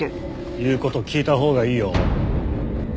言う事聞いたほうがいいよ。